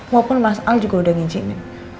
walaupun mas al juga udah ngijinin